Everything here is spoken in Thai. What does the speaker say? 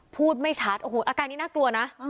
พูดไม่ชัดโอ้โหอาการนี้น่ากลัวนะ